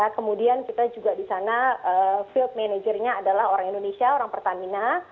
kemudian kita juga di sana field managernya adalah orang indonesia orang pertamina